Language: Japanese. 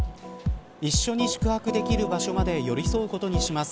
一緒に宿泊できる場所まで寄り添うことにします。